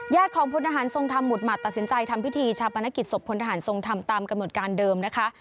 ของพลทหารทรงธรรมหุดหมัดตัดสินใจทำพิธีชาปนกิจศพพลทหารทรงธรรมตามกำหนดการเดิมนะคะ